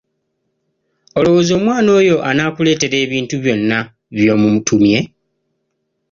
Olowooza omwana oyo anaakuleetera ebintu byonna by'omutumye?